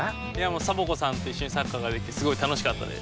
サボ子さんといっしょにサッカーができてすごいたのしかったです。